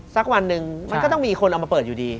สักวันหนึ่งมันก็ต้องมีคนเอามาเปิดอยู่ดี